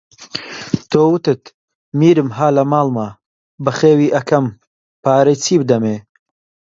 تۆ، وتت: میرم ها لە ماڵما بەخێوی ئەکەم پارەی چی بدەمێ؟